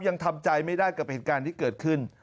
ยังทำใจไม่ได้กับเหตุการณ์ที่เกิดขึ้น